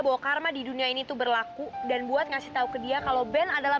bahwa karma di dunia ini tuh berlaku dan buat ngasih tau ke dia kalau band adalah